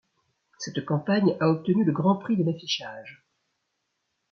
Cette campagne a obtenu le Grand Prix de l'affichage.